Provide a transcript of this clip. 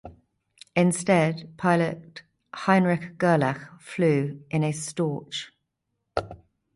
Instead, pilot Heinrich Gerlach flew in a "Storch".